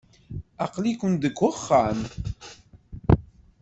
Aql-iken deg uxxam.